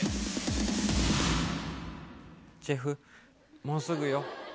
ジェフもうすぐよ。